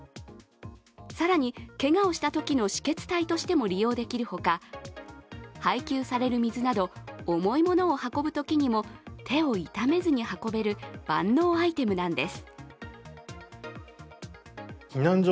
更に、けがをしたときの止血帯としても利用できるほか、配給される水など重いものを運ぶときにも手を痛めずに運べる万能アイテムなんです。